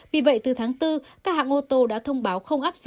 vì vậy từ tháng bốn các hãng ô tô đã thông báo không áp dụng